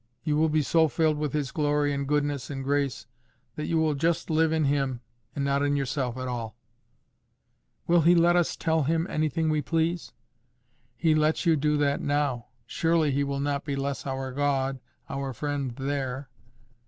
You will be so filled with His glory and goodness and grace, that you will just live in Him and not in yourself at all." "Will He let us tell Him anything we please?" "He lets you do that now: surely He will not be less our God, our friend there."